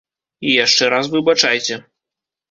І яшчэ раз выбачайце.